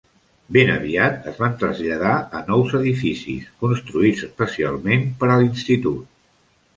Ben aviat es van traslladar a nous edificis, construïts especialment per a l'institut.